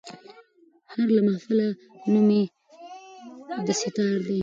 هېر له محفله نوم د سیتار دی